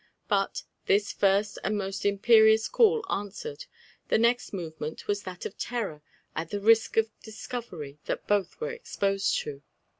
But, this first and most imperious call answered, the next movement was that of terror at the dreadful risk of discovery that both were exposed to.